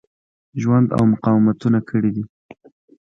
ژوند او مقاومتونه کړي دي.